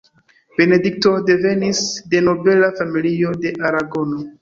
Benedikto devenis de nobela familio de Aragono.